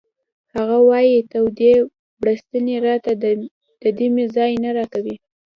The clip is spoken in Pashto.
هغه وایی تودې بړستنې راته د دمې ځای نه راکوي